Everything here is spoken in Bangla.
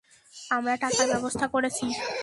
আমরা টাকার ব্যবস্থা করেছি।